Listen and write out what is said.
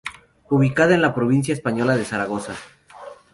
Ubicada en la provincia española de Zaragoza.